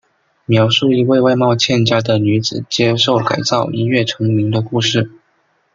描述一名外貌欠佳的女子接受改造一跃成名的故事。